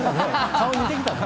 顔似てきたね。